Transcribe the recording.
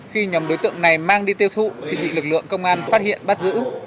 khi nhóm đối tượng này mang đi tiêu thụ thì bị lực lượng công an phát hiện bắt giữ